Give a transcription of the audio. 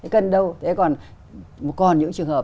cân đâu còn những trường hợp